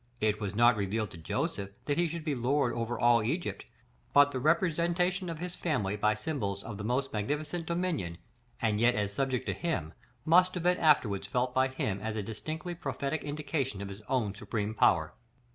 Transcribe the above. It was not revealed to Joseph that he should be lord over all Egypt; but the representation of his family by symbols of the most magnificent dominion, and yet as subject to him, must have been afterwards felt by him as a distinctly prophetic indication of his own supreme power.